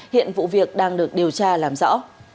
hiện vụ việc đang được điều tra làm rõ